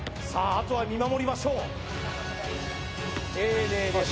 あとは見守りましょう丁寧です